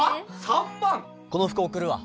この服送るわ。